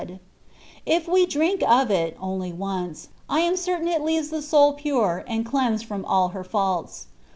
And if we drink of it only once, I am certain it leaves the soul pure, and cleansed from all her faults.